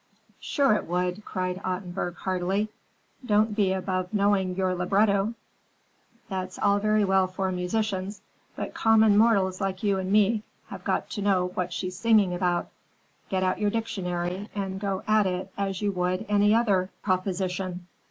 "Sure it would!" cried Ottenburg heartily. "Don't be above knowing your libretto. That's all very well for musicians, but common mortals like you and me have got to know what she's singing about. Get out your dictionary and go at it as you would at any other proposition.